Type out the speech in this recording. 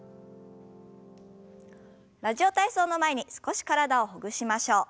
「ラジオ体操」の前に少し体をほぐしましょう。